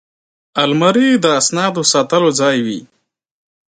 الماري د اسنادو ساتلو ځای وي